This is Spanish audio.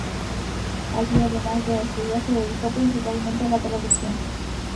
Allí, además de a estudiar, se dedicó principalmente a la traducción.